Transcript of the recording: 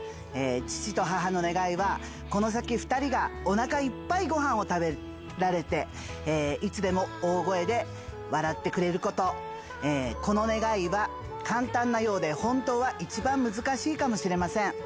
父と母の願いは、この先２人がおなかいっぱいごはんを食べられて、いつでも大声で笑ってくれること、この願いは簡単なようで、本当は一番難しいかもしれません。